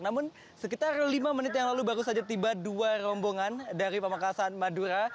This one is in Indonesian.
namun sekitar lima menit yang lalu baru saja tiba dua rombongan dari pamekasan madura